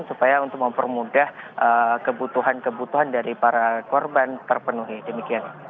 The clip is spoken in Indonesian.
supaya untuk mempermudah kebutuhan kebutuhan dari para korban terpenuhi demikian